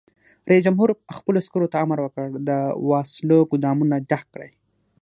رئیس جمهور خپلو عسکرو ته امر وکړ؛ د وسلو ګودامونه ډک کړئ!